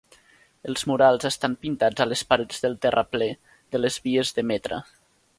Els murals estan pintats a les parets del terraplè de les vies de Metra.